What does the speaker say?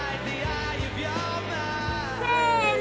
せの。